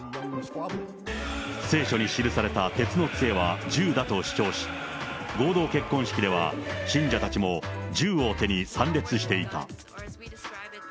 聖書に記された鉄のつえは銃だと主張し、合同結婚式では、信者たちも銃を手に参列していた。